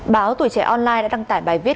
báo tuổi trẻ online đã đăng tải bài viết